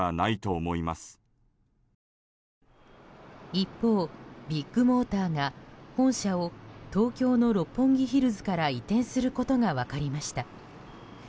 一方、ビッグモーターが本社を東京の六本木ヒルズから移転することが分かりました。